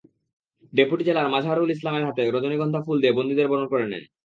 Deputy jailer Mazharul Islam হাতে রজনীগন্ধা ফুল দিয়ে বন্দীদের বরণ করে নেন।